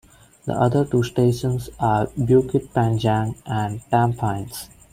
The other two stations are Bukit Panjang and Tampines.